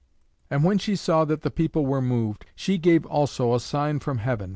And when she saw that the people were moved, she gave also a sign from heaven.